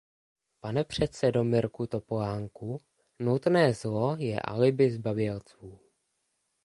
Pane přesedo Mirku Topolánku, nutné zlo je alibi zbabělců.